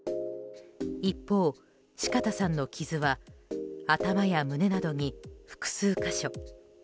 一方、四方さんの傷は頭や胸などに複数箇所。